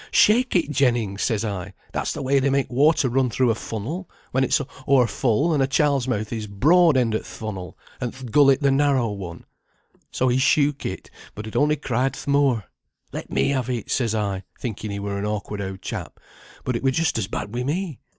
'Shake it, Jennings,' says I; 'that's the way they make water run through a funnel, when it's o'er full; and a child's mouth is broad end o' th' funnel, and th' gullet the narrow one.' So he shook it, but it only cried th' more. 'Let me have it,' says I, thinking he were an awkward oud chap. But it were just as bad wi' me.